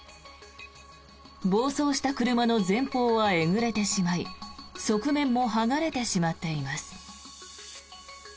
暴走した車の前方はえぐれてしまい側面も剥がれてしまっています。